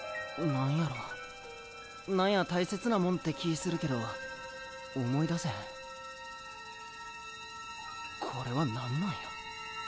なんやろなんや大切なもんって気ぃするけど思い出せへんこれは何なんや？